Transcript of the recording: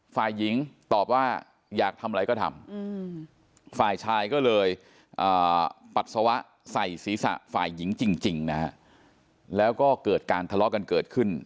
ฝ่ายหญิงตอบว่าอยากทำอะไรก็ทำฝ่ายชายก็เลยปัสสาวะใส่ศีรษะฝ่ายหญิงจริงนะฮะแล้วก็เกิดการทะเลาะกันเกิดขึ้น